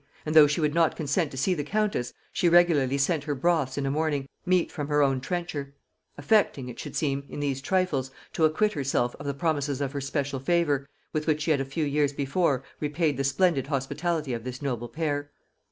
and though she would not consent to see the countess, she regularly sent her broths in a morning, and, at meals, meat from her own trencher; affecting, it should seem, in these trifles, to acquit herself of the promises of her special favor, with which she had a few years before repaid the splendid hospitality of this noble pair.